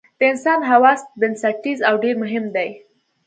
د انسان حواس بنسټیز او ډېر مهم دي.